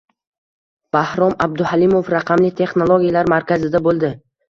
Bahrom Abduhalimov Raqamli texnologiyalar markazida bo‘ldi